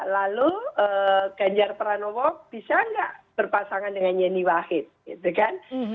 lalu ganjar pranowo bisa nggak berpasangan dengan yeni wahid gitu kan